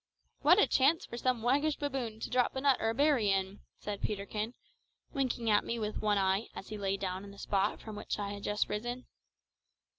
"What a chance for some waggish baboon to drop a nut or a berry in!" said Peterkin, winking at me with one eye as he lay down in the spot from which I had just risen.